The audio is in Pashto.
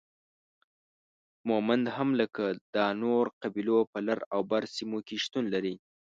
مومند هم لکه دا نورو قبيلو په لر او بر سیمو کې شتون لري